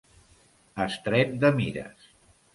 Estret de mires.